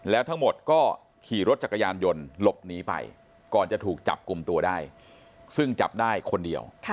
แล้วทั้งหมดก็ขี่รถจักรยานยนต์หลบหนีไปก่อนจะถูกจับกลุ่มตัวได้ซึ่งจับได้คนเดียว